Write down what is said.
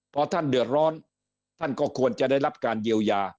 พอท่านเดือดร้อนท่านก็ควรจะได้รับการเยียวยา